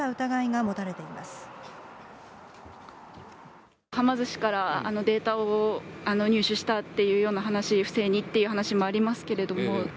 はま寿司からデータを入手したっていうような話、不正にっていう話もありますけれども。